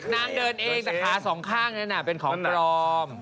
นางเดินเองแต่ขาสองข้างนั้นเป็นของปลอม